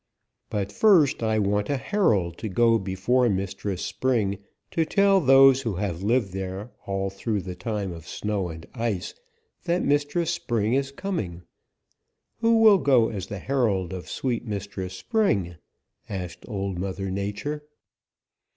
"'But first I want a herald to go before Mistress Spring to tell those who have lived there all through the time of snow and ice that Mistress Spring is coming. Who will go as the herald of sweet Mistress Spring?' asked Old Mother Nature.